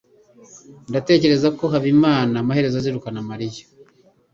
Ndatekereza ko Habimana amaherezo azirukana Mariya.